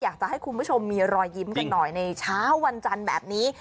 อยากจะให้คุณผู้ชมมีรอยยิ้มกันหน่อยในเช้าวันจันทร์แบบนี้